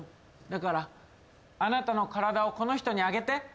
だからあなたの体をこの人にあげて。